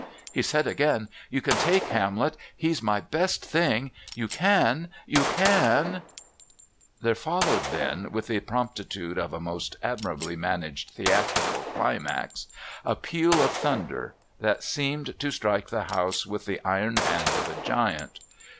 He said again: "You can take Hamlet. He's my best thing. You can You can " There followed then, with the promptitude of a most admirably managed theatrical climax, a peal of thunder that seemed to strike the house with the iron hand of a giant.